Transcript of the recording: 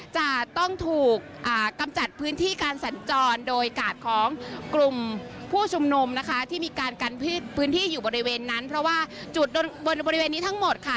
จะต้องถูกกำจัดพื้นที่การสัญจรโดยกาดของกลุ่มผู้ชุมนุมนะคะที่มีการกันพื้นที่อยู่บริเวณนั้นเพราะว่าจุดบริเวณนี้ทั้งหมดค่ะ